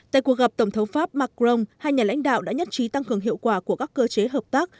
tại cuộc gặp tổng thống pháp macron hai nhà lãnh đạo đã nhất trí tăng cường hiệu quả của các cơ chế hợp tác